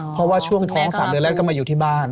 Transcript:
เพราะว่าช่วงท้อง๓เดือนแรกก็มาอยู่ที่บ้าน